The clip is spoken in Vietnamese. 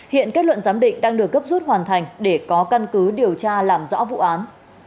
hiện kết luận giám định đang được cấp rút hoàn thành để có căn cứ điều tra làm rõ vụ án